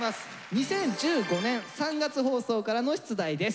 ２０１５年３月放送からの出題です。